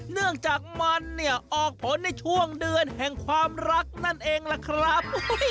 เนื่องจากมันเนี่ยออกผลในช่วงเดือนแห่งความรักนั่นเองล่ะครับ